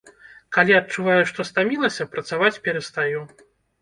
Калі адчуваю, што стамілася, працаваць перастаю.